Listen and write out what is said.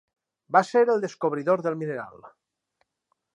Va ser el descobridor del mineral.